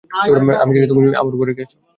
জানি তুমি আমার ওপর রেগে আছ।